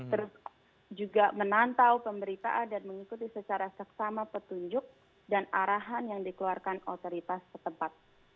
terus juga menantau pemberitaan dan mengikuti secara seksama petunjuk dan arahan yang dikeluarkan otoritas setempat